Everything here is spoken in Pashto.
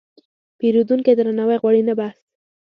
پیرودونکی درناوی غواړي، نه بحث.